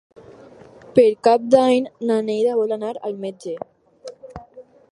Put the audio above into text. Per Cap d'Any na Neida vol anar al metge.